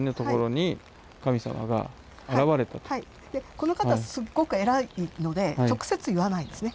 この方すっごく偉いので直接言わないんですね。